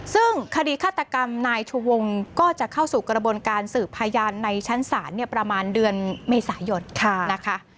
ซึ่งคดีฆาตกรรมนายชูวงก็จะเข้าสู่กระบวนการสืบพยานในชั้นศาลเนี่ยประมาณเดือนเมษายนนะคะ